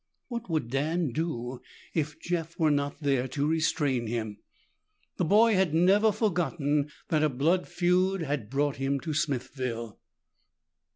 What would Dan do if Jeff were not there to restrain him? The boy had never forgotten that a blood feud had brought him back to Smithville.